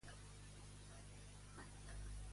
Espanya i Turquia parteixen d'una mateixa condició?